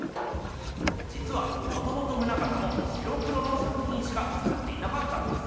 じつはもともと棟方も白黒の作ひんしか作っていなかったんです。